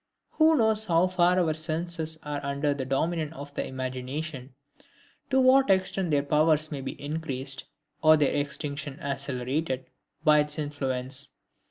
Who knows how far our senses are under the dominion of the imagination, to what extent their powers may be increased, or their extinction accelerated, by its influence?